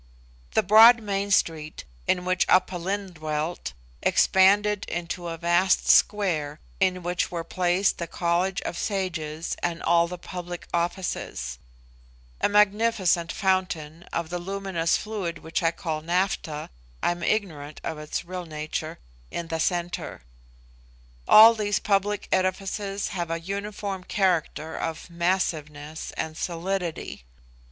The broad main street, in which Aph Lin dwelt, expanded into a vast square, in which were placed the College of Sages and all the public offices; a magnificent fountain of the luminous fluid which I call naptha (I am ignorant of its real nature) in the centre. All these public edifices have a uniform character of massiveness and solidity.